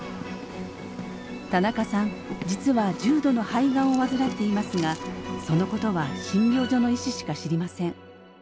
田中さん実は重度の肺がんを患っていますがそのことは診療所の医師しか知りません。